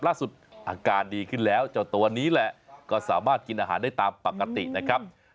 ล่าสุดอาการดีขึ้นแล้วเจ้าตัวนี้แหละก็สามารถกินอาหารได้ตามปกตินะครับ